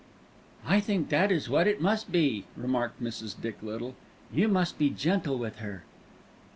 "I think that is what it must be," remarked Mrs. Dick Little. "You must be gentle with her."